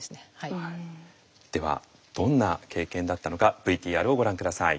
ではどんな経験だったのかＶＴＲをご覧下さい。